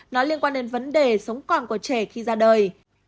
nó liên quan đến vấn đề sống còn của trẻ khi ra đời